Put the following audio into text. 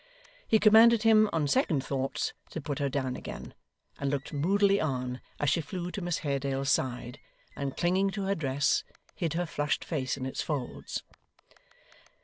He commanded him, on second thoughts, to put her down again, and looked moodily on as she flew to Miss Haredale's side, and clinging to her dress, hid her flushed face in its folds.